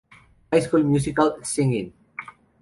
High School Musical: Sing It!